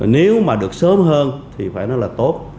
nếu mà được sớm hơn thì phải nói là tốt